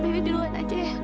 nanti aku akan datang